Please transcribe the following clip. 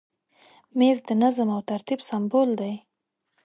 مېز د نظم او ترتیب سمبول دی.